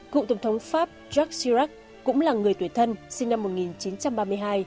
cụ tổng thống pháp jacques chirac cũng là người tuổi thân sinh năm một nghìn chín trăm ba mươi hai